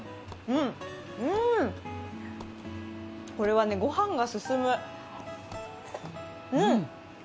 これはご飯が進む、うん！